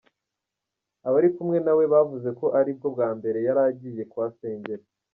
Abari kumwe na we bavuze ko ari bwo bwa mbere yari agiye kuhasengera.